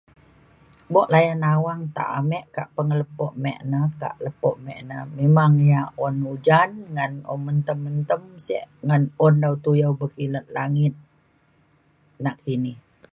buk layan awang ta ame kak pengelepo me na kak lepo me na memang ia’ un ujan ngan un mentem mentem sek ngan un dau tuyau pekilet langit nakini.